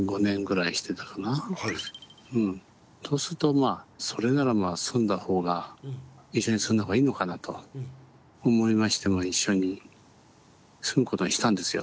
とするとそれなら住んだ方が一緒に住んだ方がいいのかなと思いまして一緒に住むことにしたんですよ。